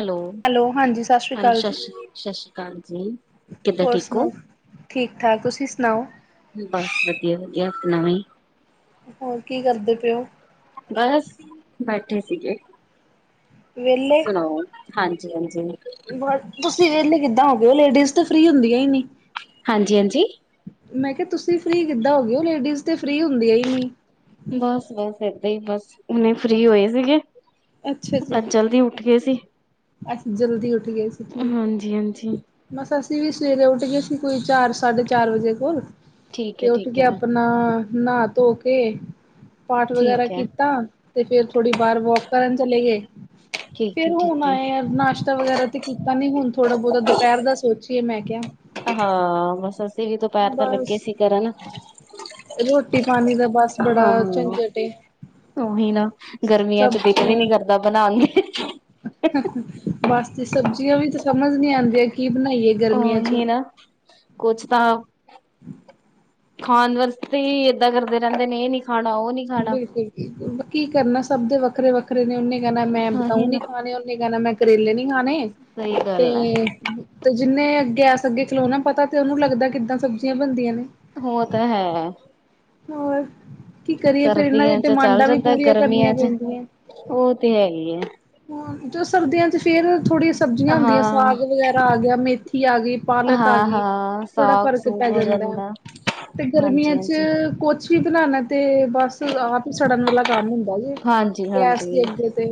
Hello hello ਹਾਂਜੀ ਸਤਿ ਸ਼੍ਰੀ ਹਾਂਜੀ ਅਕਾਲ ਜੀ ਸ਼ਸ਼ ਸ਼੍ਰੀ ਅਕਾਲ ਜੀ। ਕਿੱਦਾਂ ਹੋਰ ਠੀਕ ਹੋ ਸੁਣਾਓ ਠੀਕ ਠਾਕ, ਤੁਸੀਂ ਸੁਣਾਓ। ਬਸ ਵਧੀਆ ਵਧੀਆ ਸੁਣਾਵੇ। ਹੋਰ ਕੀ ਕਰਦੇ ਪਏ ਔ? ਬਸ ਬੈਠੇ ਸੀਗੇ, ਸੁਣਾਓ? ਹਾਂਜੀ-ਹਾਂਜੀ, ਬ ਤੁਸੀਂ ਵਹਲੇ ਕਿੱਦਾਂ ਹੋ ਗਏ, ਹੋ ਲੇਡੀਜ਼ ਤਾਂ ਫਰੀ ਹੁੰਦੀਆਂ ਨਹੀਂ ਹਾਂਜੀ-ਹਾਂਜੀ, ਮੈਂ ਕਿਹਾ ਤੁਸੀਂ ਫਰੀ ਕਿੱਦਾਂ ਹੋ ਗਏ, ਲੇਡੀਜ਼ ਤੇ ਫਰੀ ਹੁੰਦੀਆਂ ਹੀ ਨਹੀਂ। ਬਸ ਬਸ ਏਦਾਂ ਹੀ ਬਸ ਹਨੇ ਫਰੀ ਹੋਏ ਸੀਗੇ। ਅੱਜ ਜਲਦੀ ਉੱਠ ਗਏ ਸੀ। ਅੱਛ ਜਲਦੀ ਉੱਠ ਗਏ ਸੀ ਠੀਕ ਹਾਂਜੀ ਹਾਂਜੀ ਹੈ। ਬਸ ਅਸੀਂ ਵੀ ਸਵੇਰੇ ਉੱਠ ਗਏ ਸੀ, ਕੋਈ ਚਾਰ ਸਾਢੇ ਚਾਰ ਵਜੇ ਕੋਲ ਠੀਕ ਤੇ ਹੈ ਉੱਠ ਠੀਕ ਕੇ ਹੈ ਆਪਣਾ ਨਹਾ ਧੋ ਕੇ ਪਾਠ ਵਗੈਰਾ ਠੀਕ ਹੈ ਕੀਤਾ। ਤੇ ਫਿਰ ਥੋੜੀ ਬਾਰ ਵੋਕ ਕਰਨ ਚਲੇ ਗਏ ਠੀਕ ਫਿਰ ਹੈ ਹੁਣ ਠੀਕ ਹੈ ਆਏ। ਨਾਸ਼ਤਾ ਵਗੈਰਾ ਤੇ ਕੀਤਾ, ਨੀ ਹੁਣ ਥੋੜਾ ਬਹੁਤਾ ਦੁਪਹਿਰ ਦਾ ਸੋਚੀਏ ਮੈਂ ਕਿਹਾ। ਹਾਂ ਬਸ ਅਸੀ ਵੀ ਦੁਪਹਿਰ ਤਾਂ ਬਸ ਲੱਗੇ ਸੀ ਕਰਨ, ਰੋਟੀ ਪਾਣੀ ਦਾ ਬਸ ਬੜਾ ਹਾਂ ਝੰਜਟ ਏ ਉਹੀ ਨਾ ਗਰਮੀਆਂ ਚ ਦਿਲ ਵੀ ਸਬਜ਼ੀਆਂ ਨੀ ਕਰਦਾ ਬਣਾਉਣ ਨੂੰ। ਬਸ ਤੇ ਸਬਜ਼ੀਆਂ ਵੀ ਤਾਂ ਸਮਝ ਨੀ ਆਂਦੀਆਂ ਕੀ ਬਣਾਈਏ? ਉਹ ਗਰਮੀਆਂ ਚ। ਹੀ ਨਾ ਕੁਚ ਤਾਂ- ਖਾਣ ਵਾਸਤੇ ਹੀ ਏਦਾਂ ਕਰਦੇ ਰਹਿੰਦੇ ਨੇ ਇਹ ਨੀ ਖਾਣਾ ਉਹ ਨੀ। ਖਾਣਾ। ਬਿਲਕੁਲ ਬਿਲਕੁਲ ਕੀ ਕਰਨਾ, ਸਭ ਦੇ ਵੱਖਰੇ ਵੱਖਰੇ ਨੇ ਉਹਨੇ- ਕਹਿਣਾ ਮੈਂ ਉਹੀ ਬਤਾਊ ਨਾ। ਨੀ ਖਾਣੇ, ਉਹਨੇ ਕਹਿਣਾ ਮੈਂ ਕਰੇਲੇ ਨੀ ਖਾਣੇ ਸਹੀ ਗੱਲ ਹੈ ਤੇ- ਤੇ ਜਿੰਨੇ ਗੈਸ ਅੱਗੇ ਖਿਲੋਣਾ ਪਤਾ ਤੇ ਉਹਨੂੰ ਲੱਗਦਾ ਕਿੱਦਾਂ ਸਬਜ਼ੀਆਂ ਬਣਦੀਆਂ ਨੇ। ਹੋ ਤਾਂ ਹੈ। ਹੋਰ? ਕੀ ਕਰੀਏ ਫੇਰ ਇਹਨਾਂ ਸਰਦੀਆਂ ਦੀਆਂ ਚ ਚੱਲ ਡਿਮਾਂਡਾਂ ਵੀ ਜਾਂਦਾ ਪੂਰੀਆਂ ਗਰਮੀਆਂ ਕਰਨੀਆਂ ਚ ਪੈਂਦੀਆਂ। ਉਹ ਤੇ ਹੈ ਹੀ ਹੈ ਹੂੰ, ਤੇ ਸਰਦੀਆਂ ਚ ਫੇਰ ਥੋੜ੍ਹੀਆਂ, ਸਬਜ਼ੀਆਂ ਹੁੰਦੀਆਂ ਹਾਂ। ਸਾਗ ਵਗੈਰਾ ਆ ਗਿਆ ਮੇਥੀ ਆ ਗਈ। ਪਾਲਕ ਆ ਹਾਂ ਗਈ ਹਾਂ ਥੋੜ੍ਹਾ ਸਾਗ ਫ਼ਰਕ ਸੂਗ ਪੈ ਹੋ ਜਾਂਦਾ ਹੈ, ਤੇ ਹਾਂਜੀ ਗਰਮੀਆਂ ਚ ਹਾਂਜੀ। ਕੁਛ ਵੀ ਬਣਾਣਾ ਤੇ ਬਸ ਆਪ ਹੀ ਸੜਨ ਵਾਲਾ ਕੰਮ ਹੁੰਦਾ ਜੇ। ਗੈਸ ਹਾਂਜੀ-ਹਾਂਜੀ ਦੇ ਅੱਗੇ ਤੇ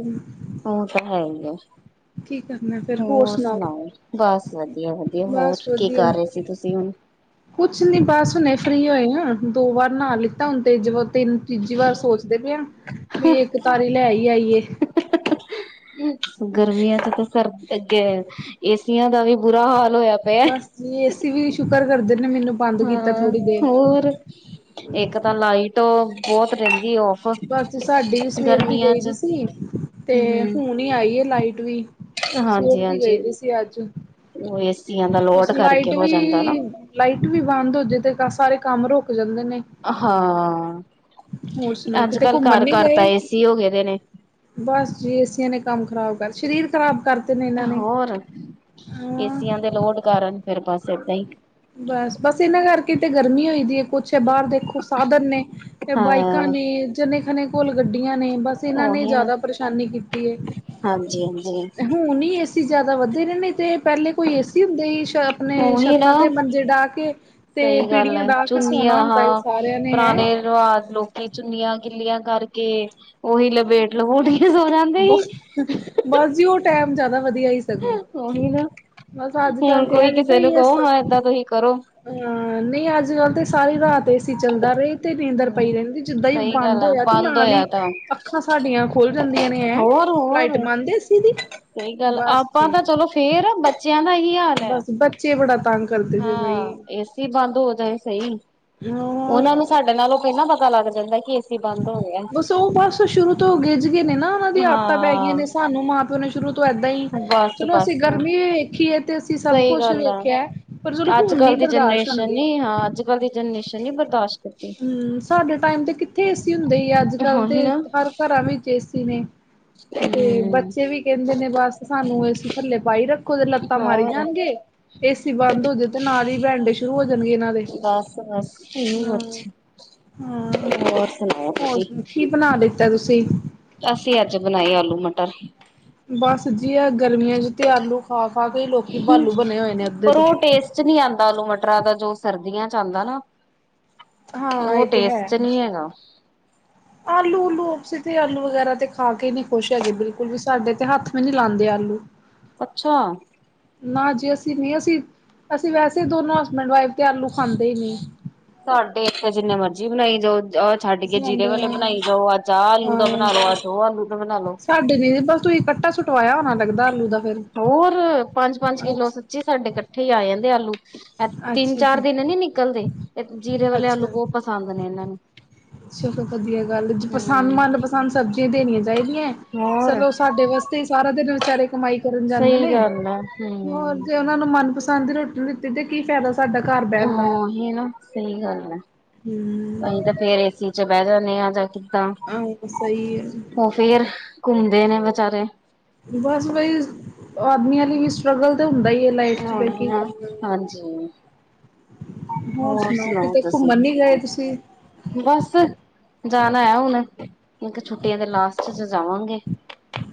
ਉਹ ਤਾਂ ਹੈ ਹੀ ਆ। ਕੀ ਕਰਨਾ ਫਿਰ ਹੋਰ ਸੁਣਾਓ? ਬਸ ਵਧੀਆ-ਵਧੀਆ ਹੋਰ ਬਸ ਕੀ ਵਧੀਆ ਕਰ ਰਹੇ ਸੀ, ਤੁਸੀਂ ਹੁਣ? ਕੁਛ ਨੀ ਬਸ ਹੁਣੇ ਫ੍ਰਰੀ ਹੋਏ ਆ ਦੋ ਵਾਰ ਨਹਾ ਲਿੱ ਤਾਂ ਹੁਣ ਤੀਜ ਤਿੰਨ ਤੀਜੀ ਵਾਰ ਸੋਚਦੇ ਪਏ, ਆ ਵੀ ਇੱਕ ਤਾਰੀ ਲੈ ਹੀਈ ਆਈਏ। ਗਰਮੀਆਂ ਚ ਤਾਂ ਸਰ ਅੱਗੇ ਏਸੀਆਂ ਦਾ ਵੀ ਬੁਰਾ ਹਾਲ ਹੋਇਆ। ਪਿਆ। ਬਸ ਜੀ ਏ ਵੀ ਸ਼ੁਕਰ ਕਰਦੇ ਨੇ ਮੈਨੂੰ ਬੰਦ ਕੀਤਾ ਹਾਂ ਥੋੜ੍ਹੀ ਦੇਰ ਹੋਰ ਇੱਕ ਤਾਂ ਲਾਈਟ ਬਹੁਤ ਰਹਿੰਦੀ ਫ ਬਸ ਸਾਡੀ ਵੀ ਸਵੇਰ ਦੀ ਗਈ ਦੀ ਸੀ, ਤੇ ਹੁਣ ਹੀ ਆਈ ਲਾਈਟ ਵੀ ਹਾਂਜੀ ਸਟ ਦੀ ਹਾਂਜੀ ਗਈ ਸੀ ਅੱਜ ਉਹ ਏਸੀਆਂ ਦਾ ਲੋਡ ਉਸ ਕਰਕੇ ਲਾਈਟ ਹੋ ਵੀ, ਜਾਂਦਾ ਨਾ ਲਾਈਟ ਵੀ ਬੰਦ ਹੋਜੇ ਤੇ ਸਾਰੇ ਕੰਮ ਰੁਕ ਜਾਂਦੇ ਨੇ, ਹਾਂ ਹੋਰ ਸੁਣਾਓ ਕਿਤੇ ਅੱਜ-ਕੱਲ੍ਹ ਘੁੰਮਣ ਘਰ ਨੀ ਘਰ ਤਾਂ ਗਏ ਏਸੀ ਹੋ ਗਏ ਦੇ ਨੇ, ਬਸ ਜੀ ਏਸੀਆਂ ਨੇ ਕੰਮ ਖ਼ਰਾਬ ਕਰ ਸਰੀਰ ਖ਼ਰਾਬ ਕਰਤੇ ਨੇ ਇਹਨਾਂ ਨੇ, ਪਰ ਕੇ ਹਾਂ ਏਸੀਆਂ ਦੇ ਲੋਡ ਕਾਰਨ ਫਿਰ ਬਸ ਏਦਾਂ ਹੀ, ਬਸ ਬਸ ਇਹਨਾਂ ਕਰਕੇ ਤੇ ਗਰਮੀ ਹੋਈ ਦੀ ਹੈ ਕੁਛ ਹੈ, ਬਾਹਰ ਦੇਖੋ ਸਾਧਨ ਨੇ, ਤੇ ਬਾਈਕਾਂ ਹਾਂ ਨੇ ਜਨੇ ਖਨੇ, ਕੋਲ਼ ਗੱਡੀਆਂ ਨੇ ਬਸ ਇਹਨਾਂ ਨੇ ਜ਼ਿਆਦਾ ਪਰੇਸ਼ਾਨੀ ਕੀਤੀ ਹੈ। ਹਾਂਜੀ-ਹਾਂਜੀ, ਏ ਜ਼ਿਆਦਾ ਵੱਧਦੇ ਰ ਨਹੀਂ ਅਤੇ ਪਹਿਲੇ ਕੋਈ ਏਸੀ। ਆਪਣੇ ਔਹੀ ਨਾ, ਛੱਤਾਂ ਤੇ ਮੰਜੇ ਡਾਹ ਕੇ ਤੇ ਸਹੀ ਗੱਲ ਪੀੜੀਆਂ ਹੈ ਡਾਹ ਕੇ ਸੋਣਾ ਚੁੰਨੀਆਂ ਹੁੰਦਾ ਸੀ ਹਾਂ ਸਾਰਿਆਂ ਨੇ ਹੈਂ ਪੁਰਾਣੇ ਰਿਵਾਜ ਲੋਕ ਤੇ ਚੁੰਨੀਆਂ ਕਿੱਲਿਆਂ ਕਰਕੇ ਉਓਹੀ ਲਬੇਟ ਲੋਟ ਸੋ ਜਾਂਦੇ ਬਸ ਸੀ। ਬਸ ਜੀ ਉਹ ਟੈਮ ਜਿਆਦਾ ਵਧੀਆ ਹੀ, ਉਹੀ ਨਾ ਬਸ ਅੱਜ ਕੱਲ ਹੁਣ ਤੇ ਇਹ ਕੋਈ ਜੇ ਕਿਸੇ ਨੂੰ ਬਾਈ ਹਾਂ ਕਹੋ ਏਦਾਂ ਤੁਸੀਂ ਕਰੋ ਨਹੀਂ ਅੱਜ ਕੱਲ ਤੇ ਸਾਰੀ ਰਾਤ ਏ ਸੀ ਚੱਲਦਾ ਰਹੇ ਤੇ ਨੀਂਦਰ ਹਮ ਪਈ ਰਹਿੰਦੀ ਜਿੱਦਾਂ ਹੀ ਸਹੀ ਗੱਲ ਬੰਦ ਆ ਹੋਇਆ ਤੇ ਬੰਦ ਨਾਲ ਹੀ ਹੋਇਆ ਤਾਂ ਅੱਖਾਂ ਸਾਡੀਆਂ ਖੁਲ ਜਾਂਦੀਆਂ ਨੇ ਐ ਹੋਰ ਹੋਰ ਲਾਈਟ ਬੰਦ ਏਸੀ ਦੀ ਸਹੀ ਗੱਲ ਬਸ ਆਪਾਂ ਜੀ ਤਾਂ ਚਲੋ ਫੇਰ ਬੱਚਿਆਂ ਦਾ ਹੀ ਹਾਲ ਹੈ ਬਸ ਬੱਚੇ ਬੜਾ ਤੰਗ ਕਰਦੇ ਜੇ ਬਈ ਹਾਂ ਏਸੀ ਬੰਦ ਹੋ ਜਾਵੇ ਸਹੀ ਜ [unintelligible] [inaudible] ਉਹਨਾ ਨੂੰ ਸਾਡੇ ਨਾਲੋਂ ਪਹਿਲਾਂ ਪਤਾ ਲੱਗ ਜਾਂਦਾ ਕਿ ਏ ਸੀ ਬੰਦ ਹੋ ਗਿਆ। ਸੋ ਬਸ ਸ਼ੁਰੂ ਤੋਂ ਗਿੱਝ ਗਏ ਨੇ ਨਾ ਉਹਨਾਂ ਦੀਆਂ ਆਦਤਾਂ ਪੈ ਗਈਆਂ ਹਾਂ ਨੇ ਸਾਨੂੰ ਮਾਂ ਪਿਓ ਨੇ। ਸ਼ੁਰੂ ਤੋਂ ਏਦਾਂ ਹੀ ਬਸ ਚਲੋ ਅਸੀਂ ਬਸ ਗਰਮੀ ਵੇਖੀ ਹੈ ਤੇ ਅਸੀਂ ਸਭ ਸਹੀ ਕੁਛ ਗੱਲ ਆ ਵੇਖਿਆ। ਪਰ ਚਲੋ ਅੱਜ ਹੁਣ ਨੀ ਕੱਲ ਦੀ ਬਰਦਾਸ਼ਤ ਜਨਰੇਸ਼ਨ ਹੁੰਦੀ ਨ ਹਾਂ ਅੱਜ ਕੱਲ ਦੀ ਜਨਰੇਸ਼ਨ ਨ ਬਰਦਾਸ਼ਤ ਕਰਦੀ। ਹਮ ਸਾਡੇ ਟਾਈਮ ਤੇ ਕਿੱਥੇ ਏਸੀ ਹੁੰਦੇ ਹੀ ਅੱਜ ਕੱਲ ਦੇ ਉਹੀ ਨਾ ਹਰ ਘਰਾਂ ਵਿੱਚ ਏਸੀ ਨੇ ਹ [inaudible] ਤੇ ਬੱਚੇ ਵੀ ਕਹਿੰਦੇ ਨੇ ਬਸ ਸਾਨੂੰ ਅਸੀਂ ਥੱਲੇ ਪਾਈ ਰੱਖੋ ਤੇ ਲੱਤਾਂ ਮਾਰੀ ਹੋਰ ਜਾਣਗੇ ਏ ਸੀ ਬੰਦ ਹੋ ਜਾਏ, ਤੇ ਨਾਲ ਹੀ ਬੈਡੇ ਸ਼ੁਰੂ ਹੋ ਜਾਣਗੇ ਨਾਲ। ਬਸ ਬਸ, ਹਾਂ ਹੋਰ ਸੁਣਾਓ ਹੋਰ ਤੁਸੀਂ? ਕੀ ਬਣਾ ਲਿੱਤਾ ਤੁਸੀਂ ਅਸੀਂ ਅੱਜ ਬਣਾਏ ਆਲੂ ਮਟਰ, ਬਸ ਜੀ ਆ ਗਰਮੀਆਂ ਚ ਤੇ ਆਲੂ ਖਾ-ਖਾ ਕੇ ਲੋਕੀ ਬਾਲੂ ਬਣੇ ਹੋਏ ਨੇ ਅੱਧੇ ਤੇ, ਨੀ ਆਦਾ ਆਲੂ ਮਟਰ ਦਾ ਜੋ ਸਰਦੀਆਂ ਚ ਆਦਾ ਨਾ। ਹਾਂ ਉਹ ਇਹ ਤੇ ਟੇਸਟ ਹੈ। ਚ ਨਹੀਂ ਹੈਗਾ। ਆਲੂ ਉਲੂ ਅਸੀ ਤੇ ਆਲੂ ਵਗੈਰਾ ਤੇ ਖਾ ਕੇ ਨੀ ਖੁਸ਼ ਹੈਗੇ ਬਿਲਕੁਲ ਵੀ ਸਾਡੇ ਤੇ ਹੱਥ ਵੀ ਨੀ ਲਾਉਂਦੇ ਆਲੂ। ਅੱਛਾ ਨਾ ਜੀ ਅਸੀਂ ਨ ਅਸੀਂ ਅਸੀਂ ਵੈਸੇ ਦੋਨੋ ਹਸਬੈਂਡ ਵਾਈਫ ਤੇ ਆਲੂ ਖਾਂਦੇ ਹੀ ਨਹੀਂ। ਸਾਡੇ ਇੱਥੇ ਜਿੰਨੇ ਮਰਜ਼ੀ ਬਣਾਈ ਜਾਓ। ਛੱਡ ਕੇ ਜੀਰੇ ਸਾਡੇ ਵਾਲੇ ਬਣਾਈ ਜਾਓ ਆਹ ਆਲੂ ਦਾ ਬਣਾ ਹਾਂ ਲੋ ਬਸ ਅੱਜ ਉਹ ਆਲੂ ਦਾ ਬਣਾ ਲੋ। ਸਾਡੇ ਨੀ ਬਸ ਤੁਸੀਂ ਇਕੱਟਾ ਸੁਟਵਾਇਆ ਹੋਣਾ ਲੱਗਦਾ ਆਲੂ ਦਾ। ਫੇਰ। ਹੋਰ ਪੰਜ ਪੰਜ ਕਿੱਲੋ ਅੱਛਾ ਸੱਚੇ ਸਾਡੇ ਇਕੱਠੇ ਹੀ ਆ ਜਾਂਦੇ ਆਲੂ। ਤਿੰਨ ਅੱਛਾ ਚਾਰ ਜੀ ਦਿਨ ਨੀ ਨਿਕਲਦੇ ਜੀਰੇ ਵਾਲੇ ਆਲੂ ਅੱਛਾ। ਬਹੁਤ ਪਸੰਦ ਨੇ ਇਹਨਾਂ ਨੂੰ। ਚਲੋ ਵਧੀਆ ਗੱਲ ਪਸੰਦ ਹੂੰ। ਮਨਪਸੰਦ ਸਬਜ਼ੀਆਂ ਦੇਣੀਆਂ ਚਾਹੀਦੀਆਂ ਹੋਰ ਚਲੋ ਸਾਡੇ ਵਾਸਤੇ। ਤੇ ਸਾਰਾ ਦਿਨ ਵਿਚਾਰੇ ਕਮਾਈ ਕਰਨ ਜਾਂਦੇ ਸਹੀ ਨੇ ਗੱਲ ਆ ਹੋਰ ਹੂੰ। ਜ ਤਮਨਪਸੰਦ ਦੀ ਰੋਟੀ ਦਿੱਤੀ ਤੇ ਕੀ ਫਾਇਦਾ। ਸਾਡਾ ਘਰ ਬਹਿਣ ਦਾ ਉਹੀ ਨਾ ਸਹੀ ਗੱਲ ਹੈ ਅਸੀਂ ਹਮ। ਤਾਂ ਫੇਰ ਏਸੀ ਚ ਬਹਿ ਜਾਂਦੇ ਆ ਜਾ ਕੇ। ਆਹੋ ਸਹੀ ਹੈ ਉਹ ਫੇਰ ਘੁੰਮਦੇ ਨੇ ਬਚਾਰੇ। ਬਸ ਬਈ ਆਦਮੀਆਂ ਲਈ ਵੀ ਸਟਰਗਲ ਤਾਂ ਹੁੰਦਾ ਹੀ ਹੈ। ਲਾਈਫ ਚ ਫਿਰ ਉਹੀ ਕੇ ਨਾ ਕੀ ਕਰ। ਹਾਂਜੀ। ਹੋਰ ਸੁਣਾਓ ਕਿਤੇ ਘੁੰਮਣ ਨੀ ਗਏ ਤੁਸੀਂ? ਬਸ ਜਾਣਾ ਆ ਹੁਣ ਇੱਕ ਛੁੱਟੀਆਂ ਤੇ ਲਾਸਟ ਚ ਜਾਵਾਂਗੇ।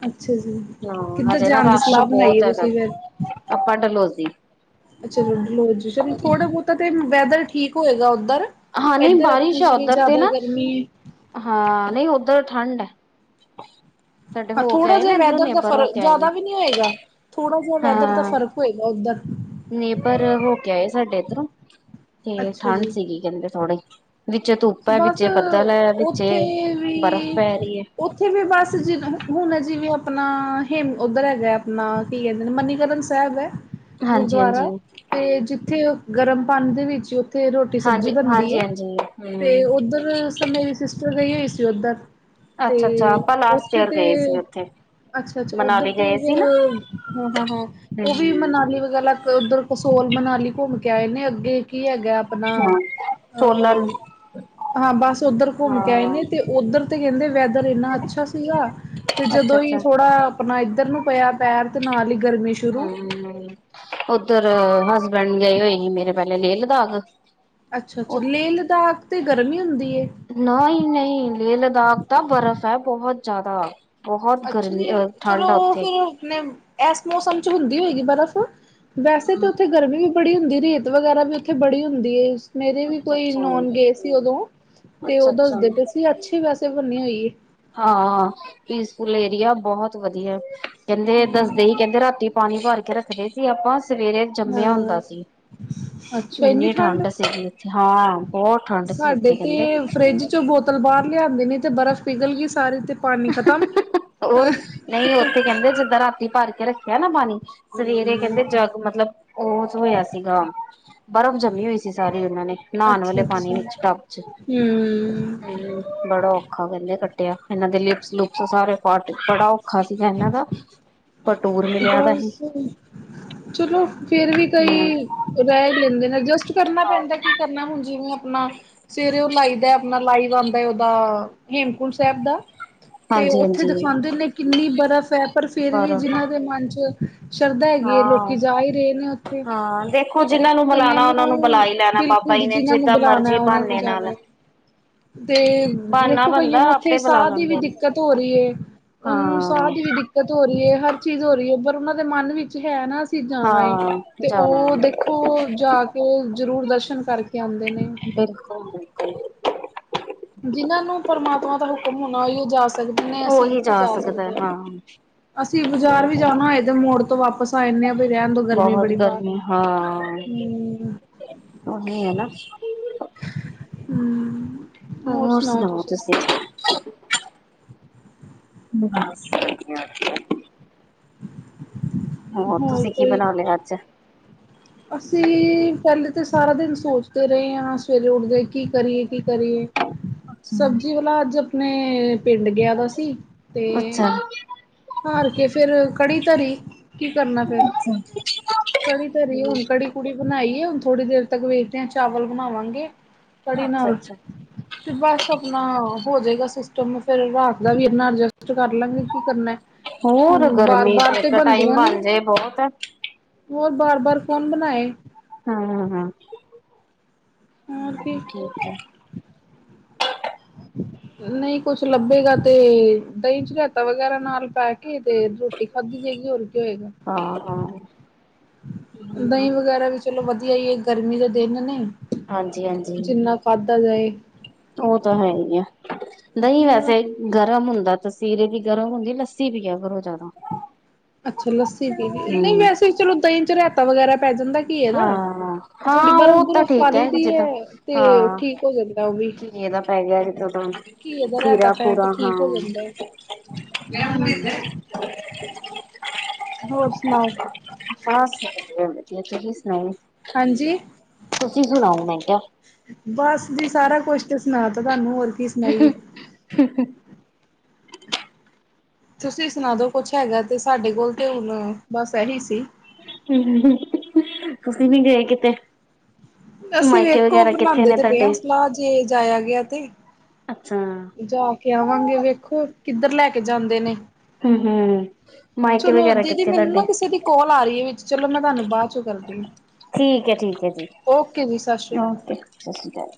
ਅੱਛਾ ਜੀ। ਹਾਂ ਕਿੱਧਰ ਹਜੇ ਨਾ ਜਾਣ ਦੀ ਰਸ਼ ਸਲਾਹ ਬਣਾਈ ਬਹੁਤ ਹੈ ਹੈਗਾ। ਤੁਸੀਂ ਫਿਰ? ਆਪਾਂ ਡਲਹੋਜ਼ੀ ਅੱਛਾ ਚਲੋ ਜੀ ਚਲੋ ਥੋੜਾ ਬਹੁਤਾ ਤੇ ਵੈਦਰ ਠੀਕ ਹੋਏਗਾ ਓਧਰ। ਹਾਂ ਨਹੀਂ ਇੱਧਰ ਆਪਣਾ ਬਾਰਿਸ਼ ਆ ਜਿਵੇਂ ਉੱਧਰ ਤੇ ਜ਼ਿਆਦਾ ਨਾ ਗਰਮੀ ਹੈ। ਹਾਂ ਨਹੀਂ ਉੱਧਰ ਠੰਡ ਹੈ। ਸਾਡੇ ਹਾਂ ਹੋ ਕੇ ਥੋੜਾ ਆਏ ਜਿਹਾ ਨੇ ਇੱਧਰੋਂ ਵੈਦਰ ਦਾ ਨੇਬਰ ਹੋ ਫਰਕ ਕੇ ਆਏ ਜ਼ਿਆਦਾ ਨੇ ਵੀ ਨਹੀਂ ਹੋਏਗਾ ਥੋੜਾ ਜਿਹਾ ਵੈਦਰ ਦਾ ਹਾਂ ਫਰਕ। ਹੋਏਗਾ ਉਧਰ। ਨੇਬਰ ਹੋ ਕੇ ਆਏ ਸਾਡੇ ਇੱਧਰੋਂ ਤੇ ਅੱਛਾ ਠੰਡ ਜੀ ਸੀਗੀ ਕਹਿੰਦੇ ਥੋੜੀ। ਵਿੱਚ ਧੁੱਪ ਹੈ ਵਿੱਚ ਬਸ ਬੱਦਲ ਹੈ ਵਿੱਚ ਉੱਥੇ ਵੀ ਬਰਫ਼ ਪੈ ਰਹੀ ਹੈ। ਉੱਥੇ ਵੀ ਬਸ ਜਿ ਹੁਣ ਅ ਜਿਵੇਂ ਆਪਣਾ ਹੇਮ ਉੱਧਰ ਹੈਗਾ ਆਪਣਾ। ਕੀ ਕਹਿੰਦੇ ਮੰਨੀਕਰਨ ਸਾਹਿਬ ਗਏ? ਹਾਂਜੀ ਗੁਰਦੁਆਰਾ ਹਾਂਜੀ ਤੇ ਜਿੱਥੇ ਗਰਮ ਪਾਣੀ ਦੇ ਵਿੱਚ। ਅਤੇ ਰੋਟੀ ਸਬਜ਼ੀ ਬਣਦੀ ਹੈ। ਜੀ ਹਮ ਤੇ ਉੱਧਰ ਮੇਰੀ ਸਿਸਟਰ ਗਈ ਹੋਈ ਸੀ। ਉੱਧਰ ਤੇ ਅੱਛਾ ਅੱਛਾ ਆਪਾਂ ਲਾਸਟ ਉੱਥੇ ਈਅਰ ਤੇ ਗਏ ਸੀ ਉੱਥੇ ਅੱਛਾ-ਅੱਛਾ ਉੱਧਰ ਮਨਾਲੀ ਤੇ ਗਏ ਸੀ ਫਿਰ ਨਾ ਹਾਂ-ਹਾਂ-ਹਾਂ ਉਹ ਵੀ ਹਮ ਮਨਾਲੀ ਵਗੈਰਾ। ਉੱਧਰ ਕਸੋਲ ਮਨਾਲੀ ਘੁੰਮ ਕੇ ਆਏ ਨੇ ਅੱਗੇ ਕੀ ਹੈਗਾ ਆਪਣਾ ਹਾਂ ਸੋਲਨ ਅਪਣਾ। ਹਾਂ ਬਸ ਉੱਧਰ ਘੁੰਮ ਕੇ ਆਏ ਹਾਂ ਨੇ ਤੇ ਉੱਧਰ ਤੇ ਕਹਿੰਦੇ ਵੈਦਰ ਇੰਨਾ ਅੱਛਾ ਸੀ। ਸੀਗਾ ਤੇ ਅੱਛਾ ਜਦੋਂ ਹੀ ਅੱਛਾ ਥੋੜਾ ਆਪਣਾ ਇੱਧਰ ਨੂੰ ਪਿਆ ਪੈਰ ਤੇ ਨਾਲ ਹੀ ਗਰਮੀ ਸ਼ੁਰੂ ਹਮ ਉੱਧਰ ਹਸਬੈਂਡ ਗਏ ਹੋਏ ਸੀ ਮੇਰੇ ਪਹਿਲੇ ਲੇਹ ਲਦਾਖ। ਅੱਛਾ-ਅੱਛਾ ਲੇਹ ਲਦਾਖ ਤੇ ਗਰਮੀ ਹੁੰਦੀ ਹੈ। ਨਹੀਂ-ਨਹੀਂ ਲੇਹ ਲਦਾਖ ਤਾਂ ਬਰਫ਼ ਹੈ ਬਹੁਤ ਜ਼ਿਆਦਾ। ਬਹੁਤ ਅੱਛਾ ਗਰਮੀ ਜੀ ਅ ਠੰਡ ਆ ਚਲੋ ਉੱਥੇ ਫਿਰ ਆਪਣੇ ਇਸ ਮੌਸਮ ਚ ਹੁੰਦੀ ਹੋਏਗੀ ਬਰਫ਼ ਵੈਸੇ ਤਾਂ ਉੱਥੇ ਗਰਮੀ ਵੀ। ਬੜੀ ਹੁੰਦੀ ਰੇਤ ਵਗੈਰਾ ਵੀ ਉੱਥੇ ਬੜੀ ਹੁੰਦੀ ਏ। ਮੇਰੇ ਵੀ ਅੱਛਾ ਅੱਛਾ ਕੋਈ ਨੋਨ ਗਏ ਸੀ ਉਦੋਂ ਤੇ ਅੱਛਾ ਉਹ ਅੱਛਾ ਦੱਸਦੇ ਪਏ ਸੀ ਅੱਛੇ ਵੈਸੇ ਬਣੀ ਹੋਈਏ। ਹਾਂ, ਪੀਸਫੁਲ ਏਰੀਆ ਬਹੁਤ ਵਧੀਆ ਕਹਿੰਦੇ ਦੱਸਦੇ ਹੀ ਹੂੰ। ਕਹਿੰਦੇ ਰਾਤੀ ਪਾਣੀ ਭਰ ਕੇ ਰੱਖਦੇ ਸੀ ਆਪਾਂ ਸਵੇਰੇ ਜੰਮਿਆ ਹੁੰਦਾ ਹਾਂ ਸੀ। ਅੱਛਾ ਇੰਨੀ ਠੰਡ ਠੰਢ ਸੀਗੀ ਉਥੇ ਹਾਂ ਬਹੁਤ ਠੰਢ ਸੀ ਸਾਡੇ ਉੱਥੇ ਤੇ ਕਹਿੰਦੇ। ਫਰਿੱਜ ਚੋਂ ਬੋਤਲ ਬਾਹਰ ਲਿਆਂਦੇ ਨੇ ਤੇ ਬਰਫ਼ ਪਿਘਲ ਗਈ ਸਾਰੀ ਤੇ ਪਾਣੀ ਖਤਮ ਹੋਰ ਨਹੀਂ ਉੱਥੇ ਕਹਿੰਦੇ ਜਿੱਦਾਂ ਰਾਤੀ ਭਰ ਕੇ ਰੱਖ ਨਾ ਪਾਣੀ ਸਵੇਰੇ ਕਹਿੰਦੇ ਜਗ ਮਤਲਬ ਉਹ ਚ ਹੋਇਆ ਸੀਗਾ ਬਰਫ਼ ਜੰਮੀ ਹੋਈ ਸੀ ਸਾਰੀ ਉਹਨਾਂ ਨੇ ਨਹਾ ਨਹੁ ਪਾਣੀ ਵਿੱਚ ਟੱਬ ਚ ਹੂੰ ਹੂੰ ਬੜੋ ਔਖਾ ਕਹਿੰਦੇ ਕੱਟਿਆ ਇਹਨਾਂ ਦੇ ਲਿਪਸ ਲੁਪਸ ਸਾਰੇ ਪਾਟ ਬੜਾ ਔਖਾ ਸੀਗਾ ਇਹਨਾਂ ਦਾ ਪਟੋੂਰ ਬਸ ਚਲੋ ਫੇਰ ਵੀ ਹਮ ਕਈ ਰਹਿ ਹੀ ਲੈਂਦੇ ਨੇ ਐਡਜਸਟ ਕਰਨਾ ਪੈਂਦਾ ਕਿ ਕਰਨਾ ਹੁਣ ਜਿਵੇਂ ਆਪਣਾ ਸਵੇਰੇ ਉਹ ਲਾਈ ਦਾ ਆਪਣਾ ਲਾਈਵ ਉਹਦਾ ਹੇਮਕੁੰਟ ਸਾਹਿਬ ਦਾ ਤੇ ਹਾਂਜੀ ਉੱਥੇ ਹਾਂਜੀ ਦਿਖਾਂਦੇ ਨੇ ਕਿੰਨੀ ਬਰਫ਼ ਐ ਪਰ ਫੇਰ ਵੀ ਬਰਫ਼ ਜਿਹਨਾਂ ਦੇ ਮਨ ਚ ਸ਼ਰਧਾ ਹੈਗੀ ਲੋਕੀ ਹਾਂ ਜਾ ਹੀ ਰਹੇ ਨੇ ਉੱਥੇ ਹਾਂ ਦੇਖੋ ਜਿਹਨਾਂ ਨੂੰ ਕਈਆਂ ਬੁਲਾਣਾ ਉਹਨਾਂ ਨੂੰ ਬੁਲਾ ਹੀ ਲੈਣਾ ਬਾਬਾ ਬਿਲਕੁਲ ਜੀ ਨੇ ਜਿਨਾਂ ਨੂੰ ਜਿੱਦਾਂ ਬੁਲਾਉਣਾ ਮਰਜੀ ਉਹਨਾਂ ਨੇ ਬਹਾਨੇ ਨਾਲ ਜਾਣਾ ਤੇ ਬਹਾਨਾ ਦੇਖੋ ਕਈਆਂ ਬੰਦਾ ਨੂੰ ਉੱਥੇ ਆਪੇ ਬੁਲਾ ਸਾਹ ਦੀ ਵੀ ਲੈਂਦੇ ਨੇ ਦਿੱਕਤ ਹੋ ਰਹੀ ਹੈ ਹਾਂ ਦਿੱਕਤ ਹੋ ਰਹੀ ਐ ਹਰ ਚੀਜ਼ ਹੋ ਰਹੀ ਐ ਪਰ ਉਹਨਾਂ ਦੇ ਮਨ ਵਿੱਚ ਹੈ ਨਾ ਅਸੀਂ ਜਾਣਾ ਏ ਹਾਂ ਤੇ ਜਾਣਾ ਉਹ ਹੈ ਦੇ ਖੋ ਜਾ ਕੇ ਜ਼ਰੂਰ ਦਰਸ਼ਨ ਕਰਕੇ ਆਂਦੇ ਨੇ ਬਿਲਕੁਲ-ਬਿਲਕੁਲ ਜਿਹਨਾਂ ਨੂੰ ਪਰਮਾਤਮਾ ਦਾ ਹੁਕਮ ਹੋਣਾ ਓਹੀਓ ਜਾ ਸਕਦੇ ਨੇ ਅਸੀਂ ਉਹੀ ਕਿੱਥੋਂ ਜਾ ਸਕਦਾ ਸਕਦੇ ਹੈ ਹਾਂ ਅਸੀਂ ਬਾਜ਼ਾਰ ਸਹੀ ਵੀ ਗੱਲ ਜਾਣਾ ਏਦੇ ਮੋੜ ਤੋਂ ਵਾਪਸ ਆ ਜਾਂਦੇ ਆ ਵੀ ਰਹਿਣ ਦੋ ਗਰਮੀ ਬਹੁਤ ਬੜੀ ਬਾਹਰ। ਗਰਮੀ ਹਾਂ ਹੂੰ, ਉਹੀ ਐ ਨਾ ਹੂੰ ਹੋਰ ਸੁਣਾਓ ਤੁਸੀਂ [inaudible] [unintelligible] ਹੋਰ ਤੁਸੀਂ ਕੀ ਬਣਾ ਲਿਆ ਅੱਜ ਅਸੀਂ ਪਹਿਲੇ ਤਾਂ ਸਾਰਾ ਦਿਨ ਸੋਚਦੇ ਰਹੇ ਹਾਂ ਸਵੇਰੇ ਉੱਠਦੇ ਕੀ ਕਰੀਏ ਕੀ ਕਰੀਏ ਅੱਛਾ ਸਬਜ਼ੀ ਵਾਲਾ ਅੱਜ ਆਪਣੇ ਪਿੰਡ ਗਿਆ ਦਾ ਸੀ ਤੇ ਅੱਛਾ ਹਾਰ ਕੇ ਫੇਰ ਕੜੀ ਧਰੀ ਕੀ ਕਰਨਾ ਫੇਰ ਕੜੀ ਧਰੀ ਹੁਣ ਕੜੀ ਕੁੜੀ ਬਣਾਈ ਐ ਹੁਣ ਥੋੜ੍ਹੀ ਦੇਰ ਤੱਕ ਵੇਖਦੇ ਆ ਚਾਵਲ ਬਣਾਵਾਂਗੇ ਕੜੀ ਅੱਛਾ ਨਾਲ। ਅੱਛਾ ਤੇ ਬਸ ਆਪਣਾ ਹੋ ਜਾਏਗਾ ਸਿਸਟਮ ਫਿਰ ਰਾਤ ਦਾ ਵੀ ਇਨਾ ਐਡਜਸਟ ਕਰ ਲਾਂਗੇ ਕੀ ਕਰਨਾ। ਹੋਰ ਬਾਰ ਗਰਮੀ ਚ ਬਾਰ ਤੇ ਇੱਕ ਟਾਈਮ ਬਣਦੀਆਂ ਨੀ ਬਣ ਜਾਏ ਬਹੁਤ। ਹੋਰ ਬਾਰ ਬਾਰ ਕੌਣ ਬਣਾਏ ਹਮ ਹ ਹੋਰ ਹਮ ਕੀ ਠੀਕ ਹੈ ਨਹੀਂ ਕੁਛ ਲੱਭੇਗਾ ਤੇ ਦਹੀਂ ਚ ਰਾਇਤਾ ਵਗੈਰਾ ਨਾਲ ਪੈਕ ਤੇ ਰੋਟੀ ਖਾਧੀ ਜਾਏਗੀ ਹੋਰ ਕੀ ਹੋਏਗਾ ਹਾਂ ਹਾਂ ਦਹੀਂ ਵਗੈਰਾ ਵੀ ਚਲੋ ਵਧੀਆ ਈ ਗਰਮੀ ਦੇ ਦਿਨ ਨੇ। ਹਾਂਜੀ ਹਾਂਜੀ, ਜਿੰਨਾ ਖਾਧਾ ਜਾਏ ਉਹ ਤਾਂ ਹੈ ਹੀ ਆ ਦਹੀਂ ਹੂੰ, ਵੈਸੇ। ਗਰਮ ਹੁੰਦਾ ਤਾਂਸੀਰੇ ਦੀ ਗਰਮ ਹੁੰਦੀ ਲੱਸੀ ਵੀ ਆ ਕਰਰੋ ਜ਼ਿਆਦਾ। ਅੱਛਾ ਲੱਸੀ ਪੀ ਲਈ ਨਹੀਂ ਹੂੰ ਵੈਸੇ ਚਲੋ ਦਹੀਂ ਚ ਰਤਾ ਵਗੈਰਾ ਪੈ ਜਾਂਦਾ ਕੀ ਐ ਨਾ ਹਾਂ ਤੇ ਥੋੜੀ ਹਾਂ ਉਹ ਤਾਂ ਬਰਫ਼-ਬਰਫ਼ ਪਾ ਠੀਕ ਲਈ ਹੈ ਦੀ ਜਿੱਦਾਂ ਐ ਤੇ ਠੀਕ ਹੋ ਜਾਂਦਾ ਉਹ ਵੀ ਇਹਦਾ ਪੈ ਗਿਆ ਘੀਏ ਦਾ ਰਹਿਤਾ ਖੀਰਾ ਪੈ ਖੂਰਾ ਕੇ ਹਾਂ ਠੀਕ ਹੋ ਜਾਂਦਾ [inaudible] ਹੋਰ ਸੁਣਾਓ? ਬਸ ਵਧੀਆ ਤੁਸੀ ਸੁਣਾਓ? ਹਾਂਜੀ। ਤੁਸੀਂ ਸੁਣਾਓ ਮੈਂ ਕਿਹਾ ਬਸ ਜੀ ਸਾਰਾ ਕੁਛ ਤੇ ਸੁਣਾ ਤ ਤੁਹਾਨੂੰ ਹੋਰ ਕੀ ਹਹ ਸੁਣਾਈਏ ਹਹ ਤੁਸੀਂ ਸੁਣਾ ਦੋ ਕੁਛ ਹੈਗਾ ਤੇ ਸਾਡੇ ਕੋਲ ਤੇ ਹੁਣ ਬਸ ਇਹੀ ਸੀ ਹਮ ਤੁਸੀ ਨੀ ਗਏ ਕਿਤੇ ਅਸੀਂ ਮਾਇਕੇ ਵੇਖੋ ਵਗੈਰਾ ਕਿੱਥੇ ਬਣਾਉਦੇ ਨੇ ਤੇ ਪਏ ਹਾਂ ਤੁਹਾਡੇ ਸਲਾਹ ਜੇ ਜਾਇਆ ਗਿਆ ਤੇ ਅੱਛਾ ਜਾ ਕੇ ਆਵਾਂਗੇ ਵੇਖੋ ਕਿੱਧਰ ਲੈ ਕੇ ਜਾਂਦੇ ਨੇ ਹੂੰ ਹੂੰ ਮਾਇਕੇ ਚਲੋ ਵਗੈਰਾ ਦੀਦੀ ਕਿੱਥੇ ਮੈਨੂੰ ਨਾ ਤੁਹਾਡੇ ਕਿਸੇ ਦੀ ਕੋਲ ਆ ਰਹੀ ਹੈ ਵਿੱਚ ਚਲੋ ਮੈਂ ਤੁਹਾਨੂੰ ਬਾਅਦ ਕਰਦੀ ਠੀਕ ਹੈ ਠੀਕ ਹੈ ਜੀ ਓਕੇ ਜੀ ਸਤਿ ਸ਼੍ਰੀ ਅਕਾਲ। ਓਕੇ ਸਤਿ ਸ਼੍ਰੀ ਅਕਾਲ